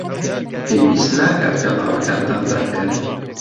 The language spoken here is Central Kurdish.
پێویست ناکات پێڵاوەکانتان دابکەنن.